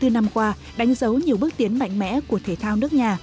bảy mươi bốn năm qua đánh dấu nhiều bước tiến mạnh mẽ của thể thao nước nhà